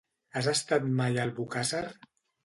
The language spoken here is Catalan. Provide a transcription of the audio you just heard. Has estat mai a Albocàsser?